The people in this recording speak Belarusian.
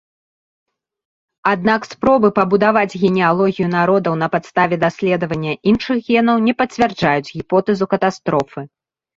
Аднак спробы пабудаваць генеалогію народаў на падставе даследавання іншых генаў не пацвярджаюць гіпотэзу катастрофы.